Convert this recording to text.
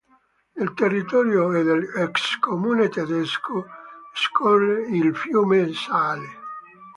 Nel territorio dell'ex comune tedesco scorre il fiume Saale.